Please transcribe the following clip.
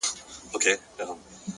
د پخلنځي تودوخه د کور احساس ژوندي کوي!.